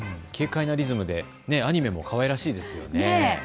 軽快なリズムで、アニメもかわいらしいですよね。